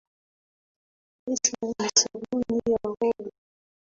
Pesa ni sabuni ya roho